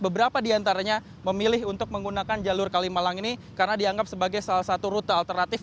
beberapa di antaranya memilih untuk menggunakan jalur kalimalang ini karena dianggap sebagai salah satu rute alternatif